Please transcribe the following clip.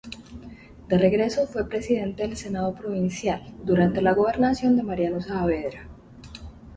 De regreso fue presidente del senado provincial, durante la gobernación de Mariano Saavedra.